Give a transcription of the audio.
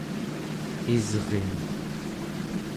isrin